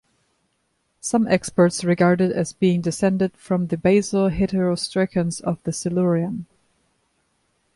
Some experts regard it as being descended from the basal heterostracans of the Silurian.